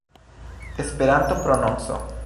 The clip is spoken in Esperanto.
Esperanto-prononco